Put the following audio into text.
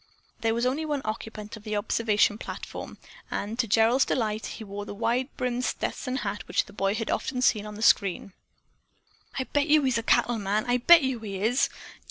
There was only one occupant of the observation platform, and to Gerald's delight, he wore the wide brimmed Stetson hat which the boy had often seen on the screen. "I'll bet yo' he's a cattle man. I bet yo' he is!"